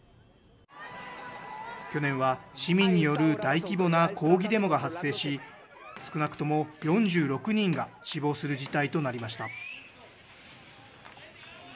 去年は市民による大規模な抗議デモが発生し少なくとも４６人が死亡する事態となりました。